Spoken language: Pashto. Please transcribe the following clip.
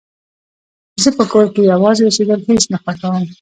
زه په کور کې يوازې اوسيدل هيڅ نه خوښوم